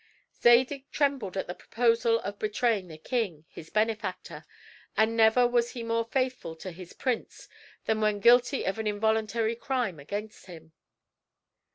Zadig trembled at the proposal of betraying the king, his benefactor; and never was he more faithful to his prince than when guilty of an involuntary crime against him.